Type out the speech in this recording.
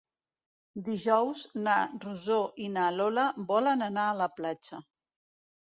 Dijous na Rosó i na Lola volen anar a la platja.